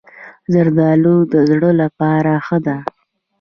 زردالو د زړه لپاره ښه ده.